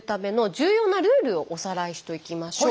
重要なルールをおさらいしときましょう。